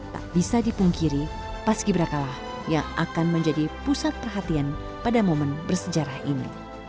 tak bisa dipungkiri paski berakalah yang akan menjadi pusat perhatian pada momen bersejarah ini